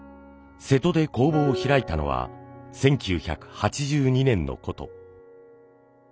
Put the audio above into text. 瀬戸で工房を開いたのは１９８２年のこと。